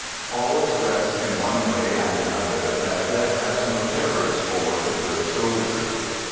All express in one way and another that death has no terrors for " the good soldier."